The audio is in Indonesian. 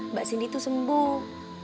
mbak cindy tuh sembuh